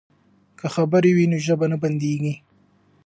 که خبرې وي نو ژبه نه بندیږي.